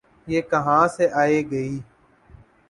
یہ کہاں سے آئے گی؟